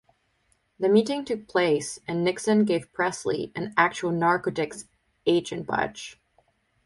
The meeting took place and Nixon gave Presley an actual narcotics agent badge.